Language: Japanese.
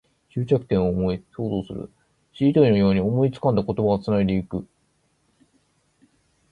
終着点を想像する。しりとりのように思い浮かんだ言葉をつなげていく。